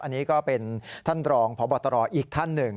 อันนี้ก็เป็นท่านรองพบตรอีกท่านหนึ่ง